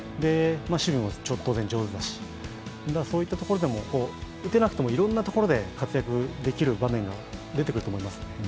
守備も当然上手だし、そういうところでも打てなくてもいろんなところで活躍できる場面が出てくると思います。